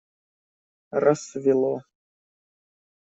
Рассвело.